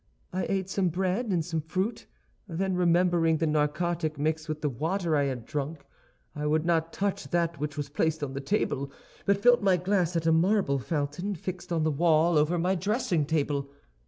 I ate some bread and some fruit; then, remembering the narcotic mixed with the water I had drunk, I would not touch that which was placed on the table, but filled my glass at a marble fountain fixed in the wall over my dressing table.